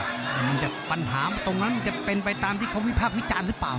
แต่มันจะปัญหาตรงนั้นมันจะเป็นไปตามที่เขาวิพากษ์วิจารณ์หรือเปล่า